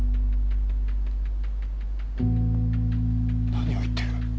何を言ってる？